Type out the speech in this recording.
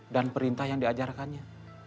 dan perintah yang diajarkannya